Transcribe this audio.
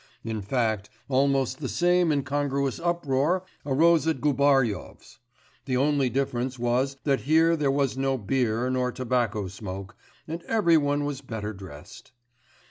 In fact, almost the same incongruous uproar arose as at Gubaryov's; the only difference was that here there was no beer nor tobacco smoke, and every one was better dressed.